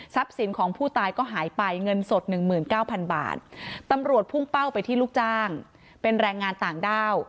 สินของผู้ตายก็หายไปเงินสด๑๙๐๐บาทตำรวจพุ่งเป้าไปที่ลูกจ้างเป็นแรงงานต่างด้าว